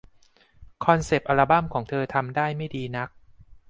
คอนเซ็ปต์อัลบั้มของเธอทำได้ไม่ดีนัก